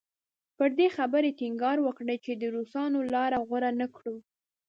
پر دې خبرې ټینګار وکړي چې د روسانو لاره غوره نه کړو.